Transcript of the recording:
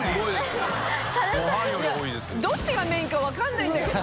どっちがメインか分からないんだけど。